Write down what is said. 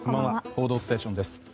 「報道ステーション」です。